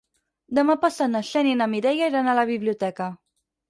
Demà passat na Xènia i na Mireia iran a la biblioteca.